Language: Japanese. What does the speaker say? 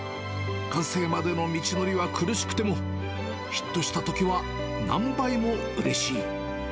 完成までの道のりは苦しくても、ヒットしたときは何倍もうれしい。